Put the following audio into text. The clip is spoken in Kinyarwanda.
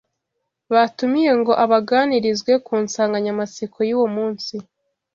batumiye ngo abaganirizwe ku nsanganyamatsiko y’uwo munsi